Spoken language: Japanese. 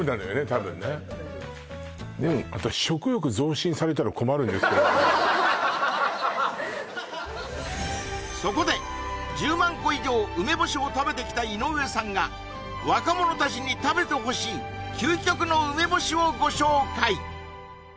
多分ねでもそこで１０万個以上梅干しを食べてきた井上さんが若者たちに食べてほしい究極の梅干しをご紹介！